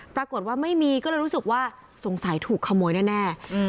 ปรากฏว่าไม่มีก็เลยรู้สึกว่าสงสัยถูกขโมยแน่